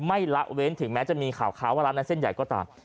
ละเว้นถึงแม้จะมีข่าวค้าว่าร้านนั้นเส้นใหญ่ก็ตาม